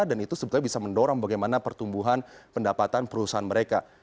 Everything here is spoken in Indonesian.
dan itu sebetulnya bisa mendorong bagaimana pertumbuhan pendapatan perusahaan mereka